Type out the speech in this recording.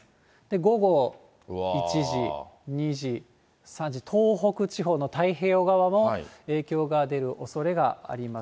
午後１時、２時、３時、東北地方の太平洋側も、影響が出るおそれがあります。